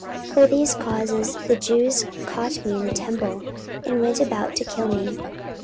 44:026:021 For these causes the Jews caught me in the temple, and went about to kill me.